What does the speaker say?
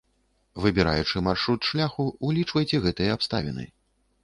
Выбіраючы маршрут шляху, улічвайце гэтыя абставіны.